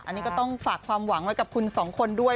อันนี้ก็ต้องฝากความหวังไว้กับคุณสองคนด้วย